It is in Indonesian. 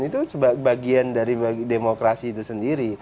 itu sebagian dari demokrasi itu sendiri